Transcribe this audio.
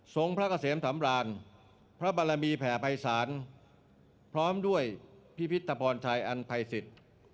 ทรงพระเกษมสำรานพระบรรลามีแผ่ไพรศาลพร้อมด้วยพิพิธพรชัยอันไพศต